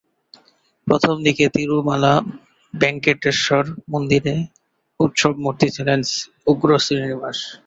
প্রথম দিকে তিরুমালা বেঙ্কটেশ্বর মন্দিরে ‘উৎসব মূর্তি’ ছিলেন উগ্র শ্রীনিবাস।